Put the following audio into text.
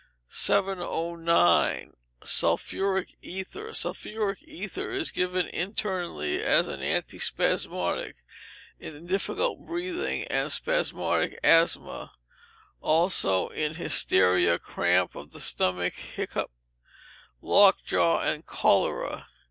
709. Sulphuric Ether Sulphuric Ether is given internally as an antispasmodic in difficult breathing and spasmodic asthma; also in hysteria, cramp of the stomach, hiccough, locked jaw, and cholera.